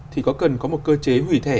thì có cần có một cơ chế hủy thẻ